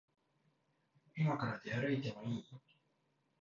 いまから出歩いてもいい？